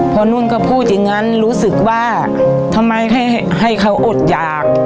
พอนุ่นก็พูดอย่างนั้นรู้สึกว่าทำไมให้เขาอดหยาก